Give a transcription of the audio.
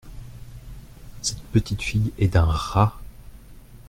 Cette petite fille est d’un rat !…